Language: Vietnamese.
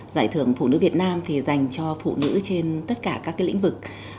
giải thưởng phụ nữ việt nam thì dành cho phụ nữ trên tất cả các lĩnh vực